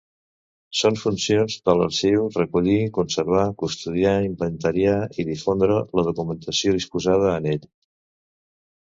Són funcions de l’arxiu recollir, conservar, custodiar, inventariar i difondre la documentació dipositada en ell.